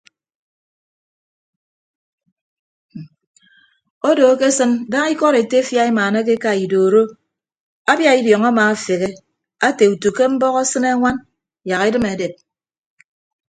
Odo akesịn daña ikọd etefia emaanake eka idoro abia idiọñ amaafeghe ate utu ke mbọk asịne añwan yak edịm edep.